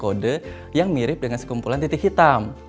kode yang mirip dengan sekumpulan titik hitam